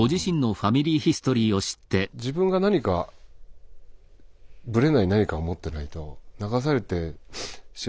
自分が何かぶれない何かを持ってないと流されてしまう中